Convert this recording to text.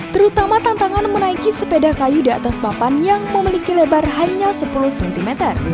terutama tantangan menaiki sepeda kayu di atas papan yang memiliki lebar hanya sepuluh cm